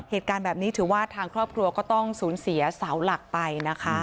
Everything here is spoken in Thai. เหตุการณ์แบบนี้ถือว่าทางครอบครัวก็ต้องสูญเสียเสาหลักไปนะคะ